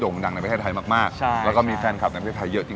นั่นคือเมนู